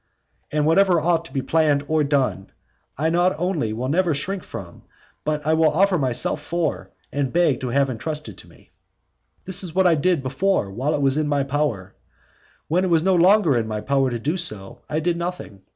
And whatever ought to be planned or done, I not only will never shrink from, but I will offer myself for, and beg to have entrusted to me. This is what I did before while it was in my power; when it was no longer in my power to do so, I did nothing.